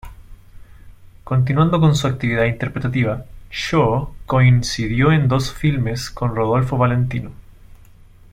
Continuando con su actividad interpretativa, Shaw coincidió en dos filmes con Rodolfo Valentino.